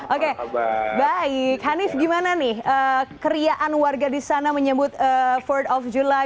oke baik hanif gimana nih keriaan warga di sana menyebut ford of july